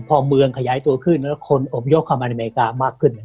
พอเมืองขยายตัวขึ้นแล้วคนอบยกเข้ามาอเมริกามากขึ้น